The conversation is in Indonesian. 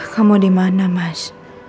kamu dimana mas